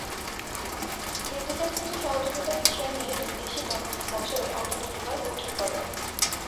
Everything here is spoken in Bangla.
বিদ্যুতের ক্ষেত্রে সহযোগিতার বিষয় নিয়ে দুই দেশই বছরে অন্তত দুবার বৈঠক করে।